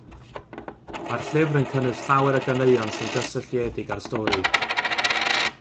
Mae'r llyfr yn cynnwys llawer o ganeuon sy'n gysylltiedig â'r stori.